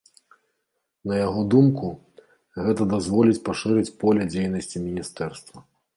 На яго думку, гэта дазволіць пашырыць поле дзейнасці міністэрства.